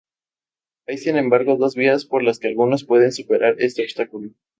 Hay sin embargo dos vías por las que algunos pueden superar este obstáculo.